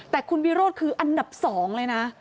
แต่คุณวิโรธคืออันดับ๒เลยนะ